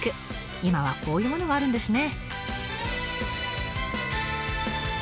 今はこういうものがあるんですね。